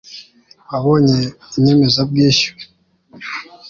wabonye inyemezabwishyu